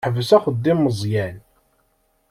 Yeḥbes axeddim Meẓyan.